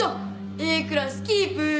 Ａクラスキープ！